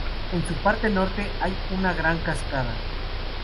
En su parte norte hay una gran cascada.